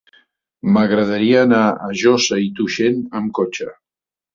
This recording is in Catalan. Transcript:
M'agradaria anar a Josa i Tuixén amb cotxe.